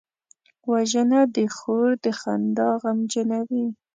وژنه د خور د خندا غمجنوي